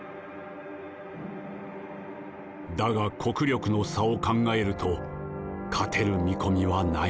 だが国力の差を考えると勝てる見込みはない。